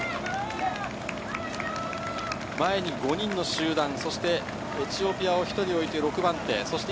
前に５人の集団、そしてエチオピアを１人置いて６番手。